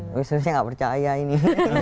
sebenarnya tidak percaya ini